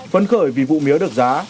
vẫn khởi vì vụ mía được giá